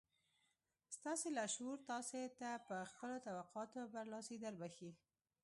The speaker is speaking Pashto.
ستاسې لاشعور تاسې ته پر خپلو توقعاتو برلاسي دربښي